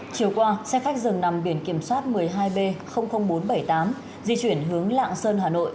chiều qua xe khách dường nằm biển kiểm soát một mươi hai b bốn trăm bảy mươi tám di chuyển hướng lạng sơn hà nội